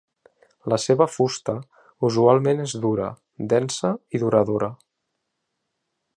La seva fusta usualment és dura, densa i duradora.